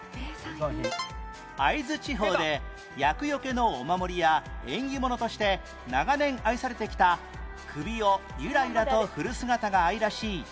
会津地方で厄よけのお守りや縁起物として長年愛されてきた首をユラユラと振る姿が愛らしい民芸品